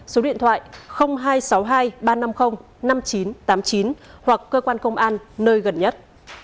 số điện thoại hai trăm sáu mươi hai ba trăm năm mươi năm nghìn chín trăm tám mươi chín hoặc cơ quan công an nơi gần nhất